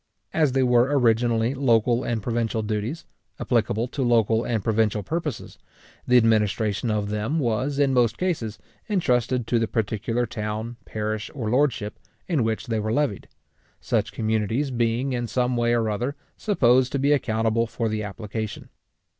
As they were originally local and provincial duties, applicable to local and provincial purposes, the administration of them was, in most cases, entrusted to the particular town, parish, or lordship, in which they were levied; such communities being, in some way or other, supposed to be accountable for the application.